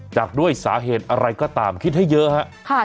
จากด้วยสาเหตุอะไรก็ตามคิดให้เยอะครับ